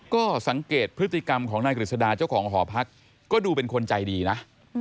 ก็สังเกตพฤติกรรมของนายกฤษดาเจ้าของหอพักก็ดูเป็นคนใจดีนะ